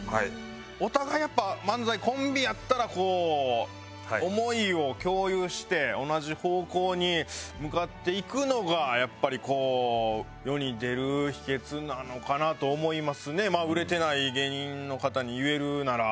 お互いやっぱ漫才コンビやったらこう思いを共有して同じ方向に向かっていくのがやっぱり世に出る秘訣なのかなと思いますねまあ売れてない芸人の方に言えるなら。